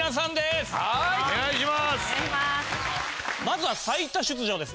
まずは最多出場ですね。